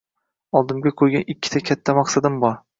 Oldimga qo`ygan ikkita katta maqsadim bor